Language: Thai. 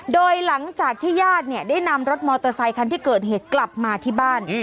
โดยหลังจากที่ญาติเนี่ยได้นำรถมอเตอร์ไซคันที่เกิดเหตุกลับมาที่บ้าน